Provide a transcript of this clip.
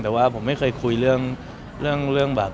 แต่ว่าผมไม่เคยคุยเรื่องส่วนตัวของเขาเลยครับ